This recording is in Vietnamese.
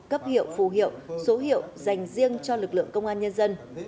cấp hiệu phù hiệu số hiệu dành riêng cho lực lượng công an nhân dân